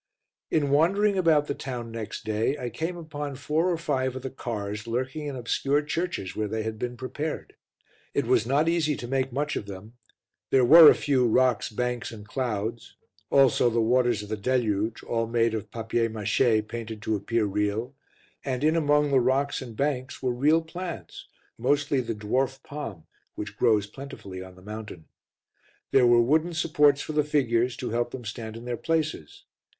In wandering about the town next day, I came upon four or five of the cars lurking in obscure churches where they had been prepared. It was not easy to make much of them; there were a few rocks, banks and clouds, also the waters of the deluge, all made of papier mache painted to appear real, and in among the rocks and banks were real plants, mostly the dwarf palm which grows plentifully on the mountain. There were wooden supports for the figures, to help them to stand in their places.